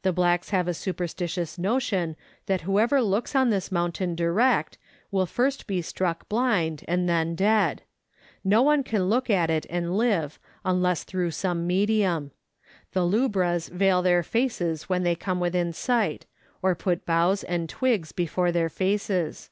The blacks have a superstitious notion that whoever looks on this mountain direct will first be struck blind, and then dead ; no one can look at it and live unless through some medium. The lubras veil their faces when they come within sight, or put boughs and twigs before their faces.